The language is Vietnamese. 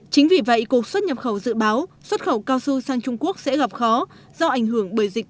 chính vì vậy cuộc xuất nhập khẩu dự báo xuất khẩu cao su sang trung quốc sẽ gặp khó do ảnh hưởng bởi dịch covid một mươi chín